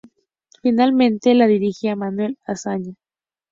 Finalmente la dirigiría Manuel Azaña.